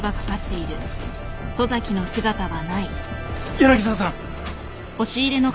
柳沢さん！